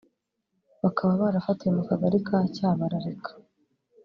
bakaba barafatiwe mu kagari ka Cyabararika